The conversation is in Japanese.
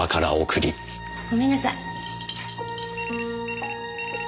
ごめんなさい。